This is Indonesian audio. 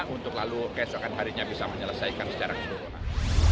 untuk lalu keesokan harinya bisa menyelesaikan secara keseluruhan